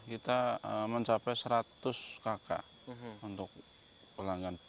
kita mencapai seratus kaka untuk ulang kan